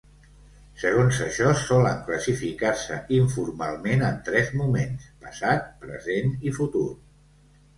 Segons això, solen classificar-se informalment en tres moments: passat, present i futur.